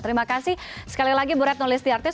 terima kasih sekali lagi bu retno listi artis